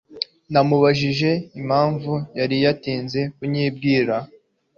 namubajije impamvu yari yaratinze kunyibwira